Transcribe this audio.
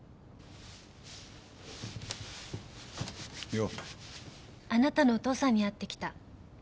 よお。あなたのお父さんに会ってきた。